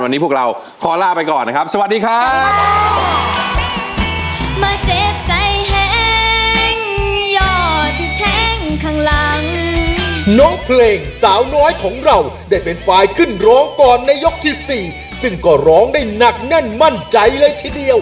วันนี้พวกเราขอลาไปก่อนนะครับ